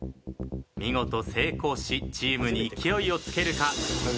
見事成功しチームに勢いをつけるか。